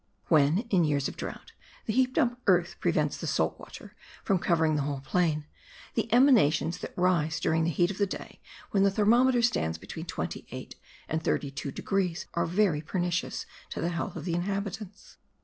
When, in years of drought, the heaped up earth prevents the salt water from covering the whole plain, the emanations that rise during the heat of the day when the thermometer stands between 28 and 32 degrees are very pernicious to the health of the inhabitants.